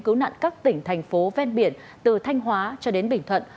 cứu nạn các tỉnh thành phố ven biển từ thanh hóa cho đến bình thuận